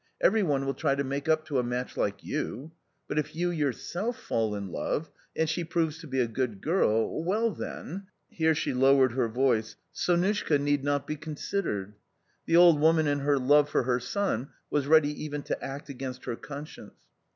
Every one will try to make up to a match like you. But if you yourself fall in love, and she proves to be a good girl — well then," here she lowered her voice, "Sonushka need not be considered." (The old woman in her love for her son was ready even to act against her conscience.)